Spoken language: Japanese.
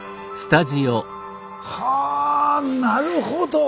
はなるほど。